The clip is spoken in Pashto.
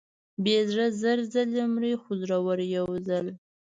بې زړه زر ځلې مري، خو زړور یو ځل.